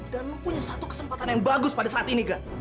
dan lu punya satu kesempatan yang bagus pada saat ini gak